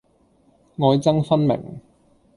愛憎分明